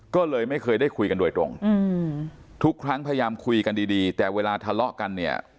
ก็เลยไม่เคยได้คุยกันโดยตรงทุกครั้งพยายามคุยกันดีแต่เวลาทะเลาะกันเนี่ย